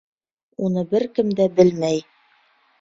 Уны бер кем дә белмәй.